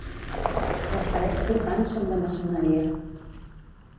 Les parets portants són de maçoneria.